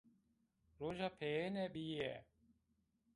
Roja peyêne bîye